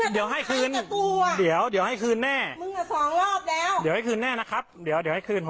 เดี๋ยวให้คืนเดี๋ยวให้คืนแน่เดี๋ยวให้คืนแน่นะครับเดี๋ยวให้คืน